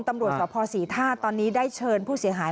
ตำรวจสภศรีธาตุตอนนี้ได้เชิญผู้เสียหาย